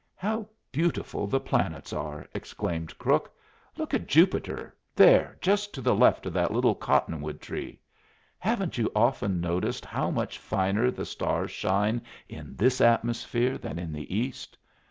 "How beautiful the planets are!" exclaimed Crook. "Look at Jupiter there, just to the left of that little cottonwood tree. Haven't you often noticed how much finer the stars shine in this atmosphere than in the East?